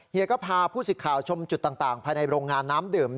พาผู้สิทธิ์ข่าวชมจุดต่างภายในโรงงานน้ำดื่ม